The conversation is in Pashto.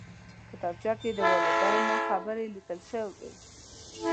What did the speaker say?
کتابچه کې د والدینو خبرې لیکلی شو